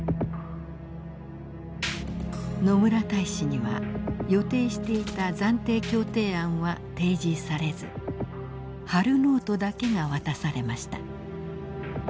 野村大使には予定していた暫定協定案は提示されずハル・ノートだけが渡されました。